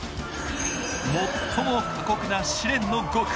最も過酷な試練の５区。